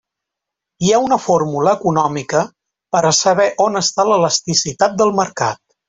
Hi ha una fórmula econòmica per a saber on està l'elasticitat del mercat.